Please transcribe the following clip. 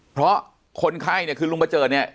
เพราะคนไข้เนี่ยคือลุงประเจิดเนี่ย